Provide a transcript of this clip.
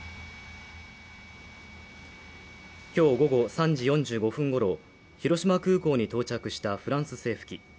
今日午後３時４５分ごろ広島空港に到着したフランス政府機。